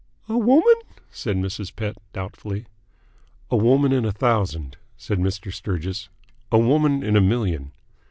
"A woman?" said Mrs. Pett doubtfully. "A woman in a thousand," said Mr. Sturgis. "A woman in a million."